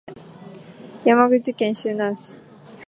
山口県周南市